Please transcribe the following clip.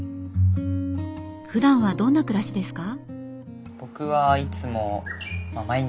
ふだんはどんな暮らしですか？